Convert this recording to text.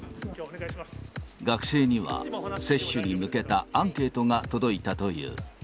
学生には、接種に向けたアンケートが届いたという。